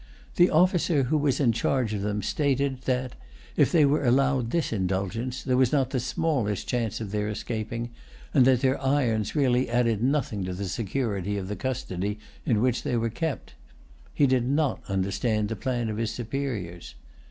The officer who was in charge of them stated that, if they were allowed this indulgence, there was not the smallest chance of their escaping, and that their irons really added nothing to the security of the custody in which they were kept. He did not understand the plan of his superiors.